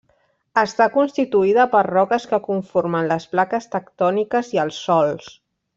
Està constituïda per roques que conformen les plaques tectòniques i els sòls.